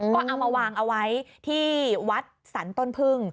ก็เอามาวางเอาไว้ที่วัดสรรต้นพึ่ง